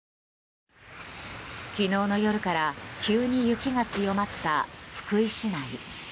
昨日の夜から急に雪が強まった福井市内。